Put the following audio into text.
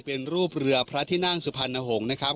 เป็นรูปเรือพระทินั่งสุภัณฑ์นโหงนะครับ